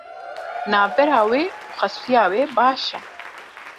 Navbera wê û xesûya wê baş e.